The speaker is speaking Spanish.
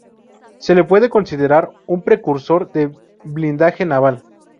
Se le puede considerar un precursor del blindaje naval.